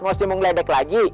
masih mau ngelebek lagi